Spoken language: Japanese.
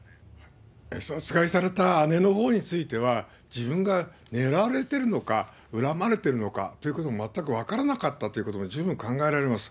殺害された姉のほうについては、自分が狙われてるのか、恨まれてるのかということも全く分からなかったということも十分考えられます。